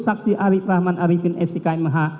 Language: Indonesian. saksi arif rahman arifin s i k m h